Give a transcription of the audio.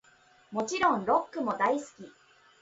もちろんロックも大好き♡